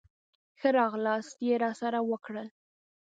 ښه راغلاست یې راسره وکړل.